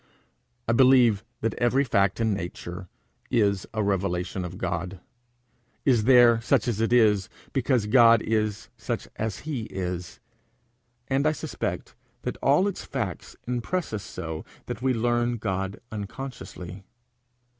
I believe that every fact in nature is a revelation of God, is there such as it is because God is such as he is; and I suspect that all its facts impress us so that we learn God unconsciously.